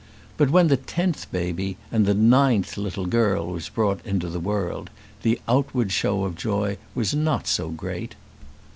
But when the tenth baby, and the ninth little girl, was brought into the world, the outward show of joy was not so great.